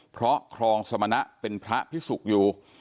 เพราะครองสมณะเป็นพระพิสุกอยู่